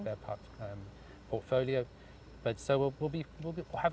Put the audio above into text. memanfaatkan semua udara sebelum